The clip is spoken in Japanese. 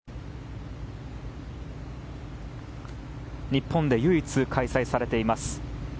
日本で唯一開催されています